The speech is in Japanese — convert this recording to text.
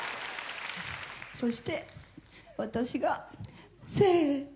そして私がせの！